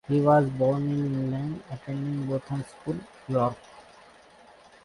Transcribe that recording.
He was born in England, attending Bootham School, York.